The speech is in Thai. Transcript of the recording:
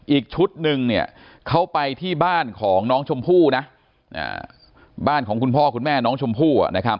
อีกชุดหนึ่งเขาไปที่บ้านของน้องชมพู่นะบ้านของคุณพ่อคุณแม่น้องชมพู่